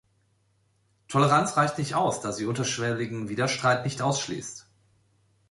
Toleranz reicht nicht aus, da sie unterschwelligen Widerstreit nicht ausschließt.